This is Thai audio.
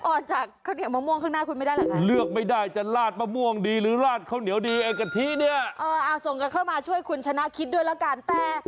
โอเคส่งกันเข้ามาช่วยคุณชนะคิดด้วยล่ะกัน